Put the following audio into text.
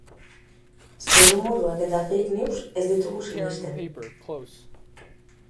Zurrumurruak eta fake news ez ditugu sinisten.